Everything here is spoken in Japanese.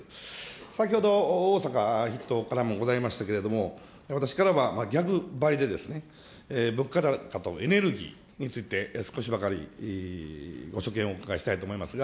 先ほど、逢坂筆頭からもございましたけれども、私からは逆張りで、物価高とエネルギーについて、少しばかりご所見をお伺いしたいと思いますが。